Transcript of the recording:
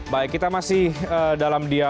baik kita masih dalam dialog